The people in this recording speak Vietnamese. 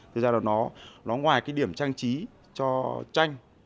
thực ra là nó ngoài cái điểm trang trí cho tranh